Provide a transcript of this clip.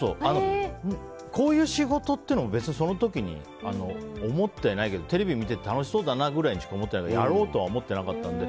こういう仕事って別にその時に思ってはないけどテレビを見て楽しそうだなぐらいしか思ってなくてやろうとは思ってなかったので。